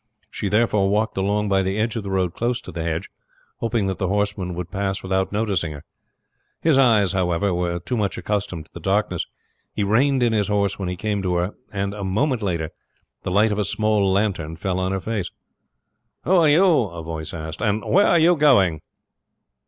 She therefore walked along by the edge of the road close to the hedge, hoping that the horseman would pass without noticing her. His eyes, however, were too much accustomed to the darkness. He reined in his horse when he came to her, and a moment later the light of a small lantern fell on her face. "Who are you?" a voice asked, "and where are you going?"